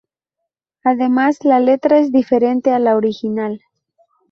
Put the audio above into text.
Además la letra es diferente a la original.